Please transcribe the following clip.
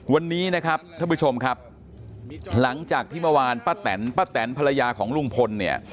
วันนี้นะครับท่านผู้ชมครับหลังจากที่เมื่อวานป้าแตนป้าแตนภรรยาของลุงพลเนี่ย